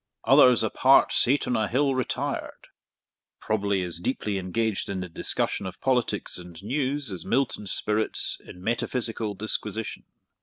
'Others apart sate on a hill retired,' probably as deeply engaged in the discussion of politics and news as Milton's spirits in metaphysical disquisition.